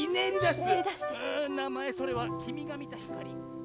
うぅなまえそれはきみがみたひかり。